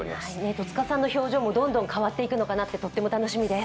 戸塚さんの表情もどんどん変わっていくのかなって楽しみです。